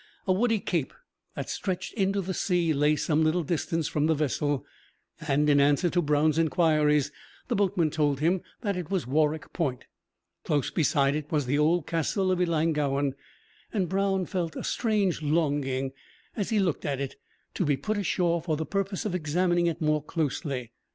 A woody cape, that stretched into the sea, lay some little distance from the vessel; and, in answer to Brown's inquiries, the boatman told him that it was Warroch Point. Close beside it was the old castle of Ellangowan; and Brown felt a strange longing, as he looked at it, to be put ashore for the purpose of examining it more closely.